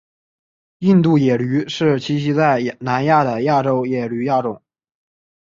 印度野驴是栖息在南亚的亚洲野驴亚种。